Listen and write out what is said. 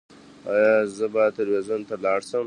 ایا زه باید تلویزیون ته لاړ شم؟